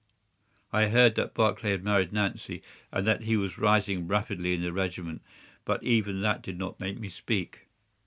I heard that Barclay had married Nancy, and that he was rising rapidly in the regiment, but even that did not make me speak.